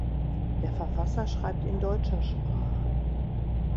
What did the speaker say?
Der Verfasser schreibt in deutscher Sprache.